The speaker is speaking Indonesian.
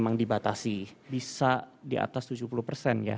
memang dibatasi bisa di atas tujuh puluh persen ya